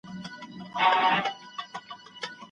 شاګرد د لوړ ږغ سره د پاڼي ړنګول خوښوي.